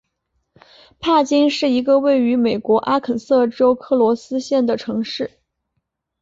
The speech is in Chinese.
帕金是一个位于美国阿肯色州克罗斯县的城市。